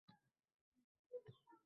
ommabop elektromobillar ishlab chiqarish.